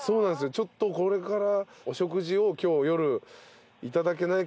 ちょっとこれからお食事を今日夜いただけないかなと思いまして。